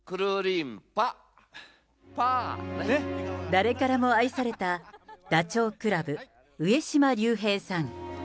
誰からも愛されたダチョウ倶楽部・上島竜兵さん。